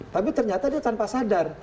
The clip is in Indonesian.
tapi ternyata dia tanpa sadar